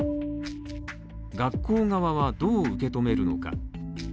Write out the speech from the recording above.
学校側はどう受け止めるのか。